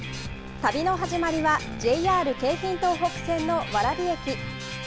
旅の始まりはＪＲ京浜東北線の蕨駅。